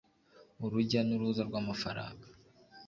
urujya n’uruza rw’amafaranga